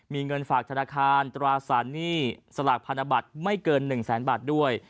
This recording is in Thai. มีเงินฝากธนาคารตราสารหนี้สลากพันธบัตรไม่เกิน๑แสนบาทด้วย